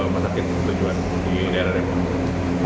masakit tujuan di daerah depok